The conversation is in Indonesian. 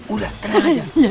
udah tenang aja